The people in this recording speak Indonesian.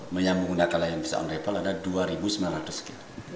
menyambung dengan layanan visa on arrival adalah dua sembilan ratus